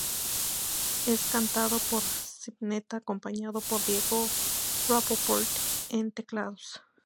Es cantado por Spinetta acompañado por Diego Rapoport en teclados.